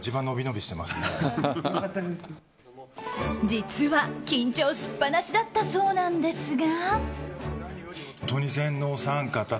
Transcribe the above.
実は緊張しっぱなしだったそうなんですが。